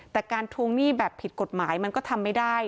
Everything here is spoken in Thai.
แต่การทวงหนี้แบบผิดกฎหมายมันก็ทำไม่ได้